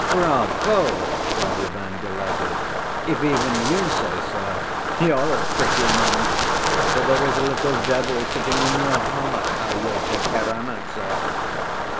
"Bravo!" cried Ivan, delighted. "If even you say so.... You're a pretty monk! So there is a little devil sitting in your heart, Alyosha Karamazov!"